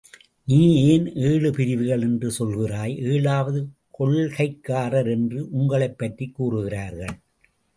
நீ ஏன் ஏழு பிரிவுகள் என்று சொல்கிறாய்? ஏழாவது கொள்கைக்காரர் என்று உங்களைப்பற்றிக் கூறுகிறார்கள்.